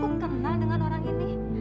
aku kenal dengan orang ini